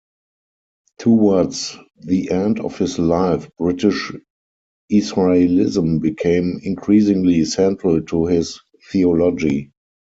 Towards the end of his life British Israelism became increasingly central to his theology.